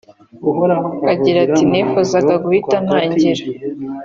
agira ati nifuzaga guhita ntangira